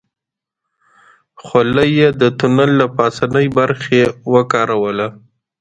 خولۍ يې د تونل له پاسنۍ برخې وکاروله.